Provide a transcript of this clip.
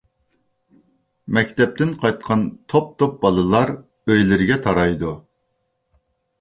مەكتەپتىن قايتقان توپ-توپ بالىلار ئۆيلىرىگە تارايدۇ.